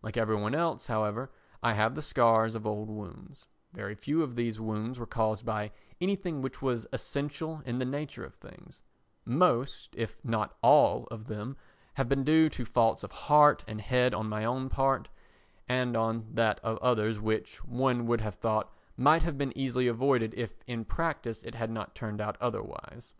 Like every one else, however, I have the scars of old wounds; very few of these wounds were caused by anything which was essential in the nature of things; most, if not all of them, have been due to faults of heart and head on my own part and on that of others which, one would have thought, might have been easily avoided if in practice it had not turned out otherwise.